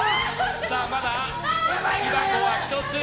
まだ木箱は１つ。